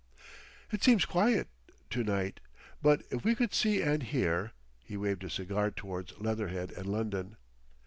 "It seems quiet to—night. But if we could see and hear." He waved his cigar towards Leatherhead and London.